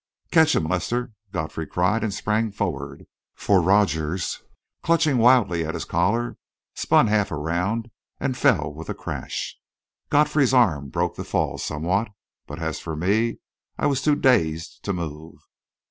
"Catch him, Lester!" Godfrey cried, and sprang forward. For Rogers, clutching wildly at his collar, spun half around and fell with a crash. Godfrey's arm broke the fall somewhat, but as for me, I was too dazed to move.